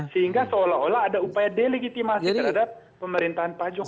sehingga seolah olah ada upaya delegitimasi terhadap pemerintahan pak jokowi